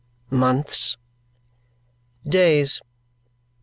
"Months?" "Days."